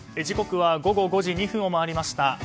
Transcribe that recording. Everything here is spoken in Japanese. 時刻は午後５時２分を回りました。